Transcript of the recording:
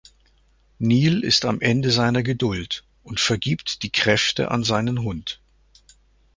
Neil ist am Ende seiner Geduld und vergibt die Kräfte an seinen Hund.